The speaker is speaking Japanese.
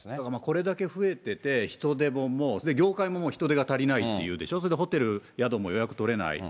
これだけ増えてて、人手ももう、業界ももう人手も足りないというでしょ、それでホテル、宿も予約取れない。